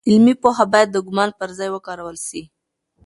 علمي پوهه باید د ګومان پر ځای وکارول سي.